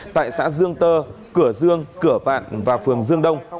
tại xã dương tơ cửa dương cửa vạn và phường dương đông